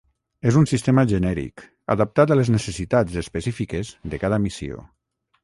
És un sistema genèric, adaptat a les necessitats específiques de cada missió.